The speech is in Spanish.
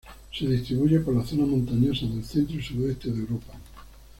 Se distribuye por las zonas montañosas del centro y sudoeste de Europa.